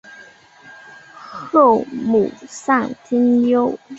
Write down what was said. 后母丧丁忧。